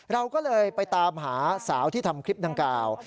เราก็เลยไปตามหาสาวที่ทำคลิปดังกล่าว